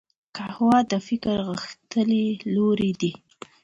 قهوه د فکر غښتلي لوری دی